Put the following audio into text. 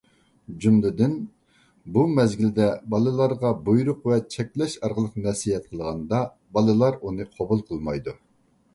جۈملىدىن، بۇ مەزگىلدە بالىلارغا بۇيرۇق ۋە چەكلەش ئارقىلىق نەسىھەت قىلغاندا بالىلار ئۇنى قوبۇل قىلمايدۇ.